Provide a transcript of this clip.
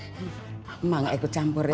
kenapa gak ikut campur ya